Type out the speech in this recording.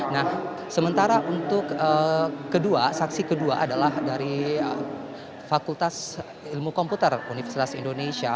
nah sementara untuk kedua saksi kedua adalah dari fakultas ilmu komputer universitas indonesia